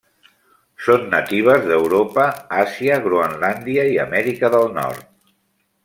Són natives d'Europa, Àsia, Groenlàndia i l'Amèrica del nord.